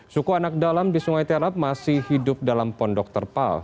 suku anak dalam di sungai terap masih hidup dalam pondok terpal